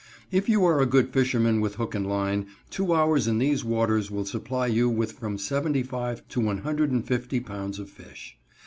If you are a good fisherman with hook and line, two hours in these waters will supply you with from seventy five to one hundred and fifty pounds of fish.